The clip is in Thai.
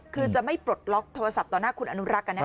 คือจะไม่ปลดล็อกโทรศัพท์ต่อหน้าคุณอนุรักษ์กันแน